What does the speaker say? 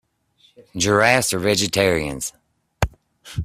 Giraffes are vegetarians.